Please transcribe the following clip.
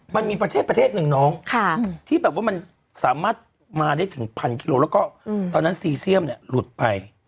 มันมีประเทศประเทศหนึ่งน้องที่แบบว่ามันสามารถมาได้ถึงพันกิโลแล้วก็ตอนนั้นซีเซียมเนี่ยหลุดไป